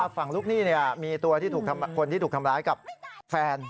ฝั่งลูกนี้เนี่ยมีตัวที่ถูกทำร้ายกับแฟน